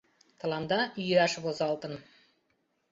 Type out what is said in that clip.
Тыланда йӱаш возалтын.